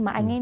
mà anh ấy